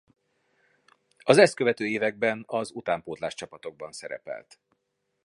Az ezt követő években az utánpótlás csapatokban szerepelt.